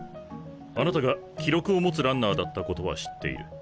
あなたが記録を持つランナーだったことは知っている。